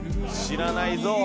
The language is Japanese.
知らないぞ。